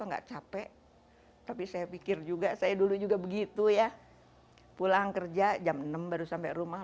enggak capek tapi saya pikir juga saya dulu juga begitu ya pulang kerja jam enam baru sampai rumah